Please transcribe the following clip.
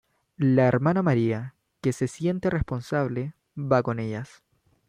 La hermana María, que se siente responsable, va con ellas.